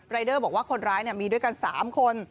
เดอร์บอกว่าคนร้ายมีด้วยกัน๓คน